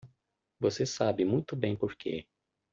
Você sabe muito bem porque.